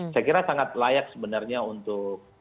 saya kira sangat layak sebenarnya untuk